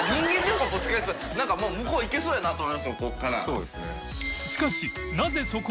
そうですね。